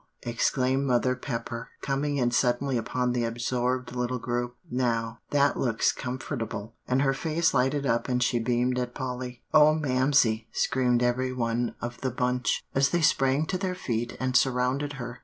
exclaimed Mother Pepper, coming in suddenly upon the absorbed little group; "now, that looks comfortable," and her face lighted up and she beamed at Polly. "O Mamsie!" screamed every one of the bunch, as they sprang to their feet and surrounded her.